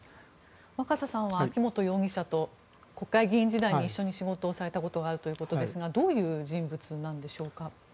若狭さんは秋本容疑者と国会議員時代に一緒に仕事されたことがあるということですがどういう人物なんでしょうか。